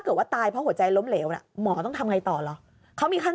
ว่าตายเพราะหัวใจล้มเหลวน่ะหมอต้องทำไงต่อเหรอเขามีขั้น